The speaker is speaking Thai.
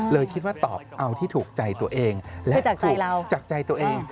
คิดว่าตอบเอาที่ถูกใจตัวเองและจากใจตัวเอง